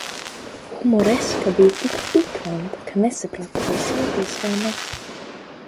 Humoreska bija tik pikanta, ka nesapratu vai smieties vai ne!